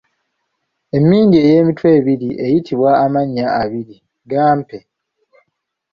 Emmindi eyeemitwe ebiri eyitibwa amannya abiri, gampe?